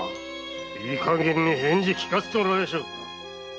いいかげんに返事聞かせてもらいましょう。